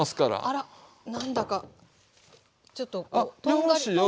あら何だかちょっととんがりぼうが。